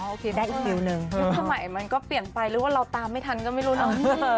นี่ตามไปมันก็เปลี่ยนไปหรือว่าเราตามไม่ทันก็ไม่รู้นะ